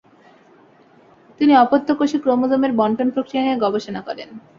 তিনি অপত্য কোষে ক্রোমোজোমের বণ্টন প্রক্রিয়া নিয়ে গবেষণা করেন।